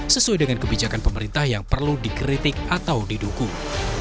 sesuai dengan kebijakan pemerintah yang perlu dikritik atau didukung